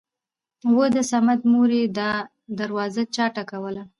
اوو د صمد مورې دا دروازه چا ټکوله!!